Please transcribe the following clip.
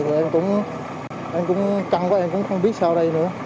thì em cũng căng quá em cũng không biết sao đây nữa